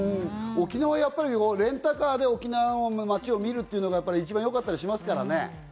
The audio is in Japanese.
沖縄はレンタカーで沖縄の街を見るのが一番よかったりしますからね。